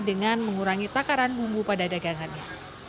dengan jatak karan bumbu pada dagangannya